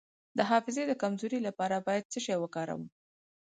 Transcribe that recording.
د حافظې د کمزوری لپاره باید څه شی وکاروم؟